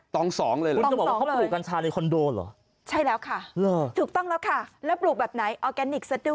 ต้อง๒เลยเหรอ